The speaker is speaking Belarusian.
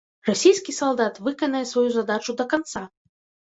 Расійскі салдат выканае сваю задачу да канца!